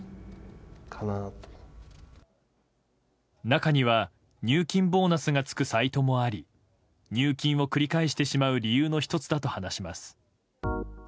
中には入金ボーナスがつくサイトもあり入金を繰り返してしまう理由の１つだと話します。